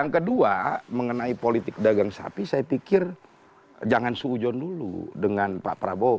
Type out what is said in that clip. yang kedua mengenai politik dagang sapi saya pikir jangan suujon dulu dengan pak prabowo